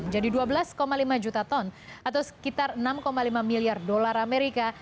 menjadi dua belas lima juta ton atau sekitar enam lima miliar dolar amerika